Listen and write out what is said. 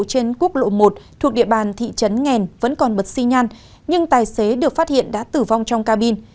xe container đậu trên đường quốc lộ một thuộc địa bàn thị trấn nghèn vẫn còn bật xi nhan nhưng tài xế được phát hiện đã tử vong trong ca bin